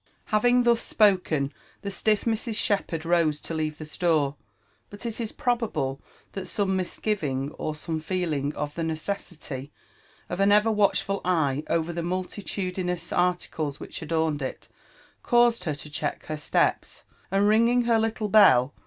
Having thus spoken, the stiff Mrs. Shepherd rose to leave the store ; but it is probable that some misgiving, or some feeling of the necessity of an ever watchful eye over the multitudinous articles which adorned it, caused her to check her steps ; and ringing her little bell.